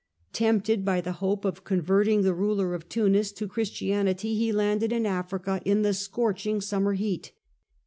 Tempted by the hope of converting the ruler of Tunis to Christianity, he landed in Africa in the scorching summer heat.